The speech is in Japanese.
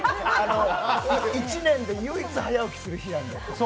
１年で唯一早起きする日やねん。